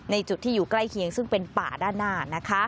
จุดที่อยู่ใกล้เคียงซึ่งเป็นป่าด้านหน้า